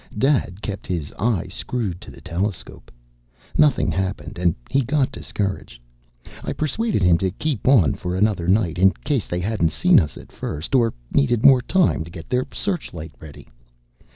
Dad kept his eye screwed to the telescope. Nothing happened and he got discouraged. I persuaded him to keep on for another night, in case they hadn't seen us at first; or needed more time to get their searchlight ready.